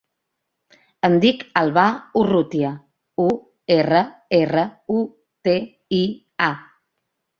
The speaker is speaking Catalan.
Em dic Albà Urrutia: u, erra, erra, u, te, i, a.